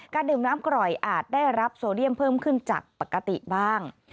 ดื่มน้ำกร่อยอาจได้รับโซเดียมเพิ่มขึ้นจากปกติบ้าง